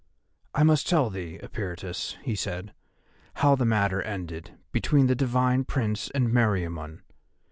"I must tell thee, Eperitus," he said, "how the matter ended between the divine Prince and Meriamun.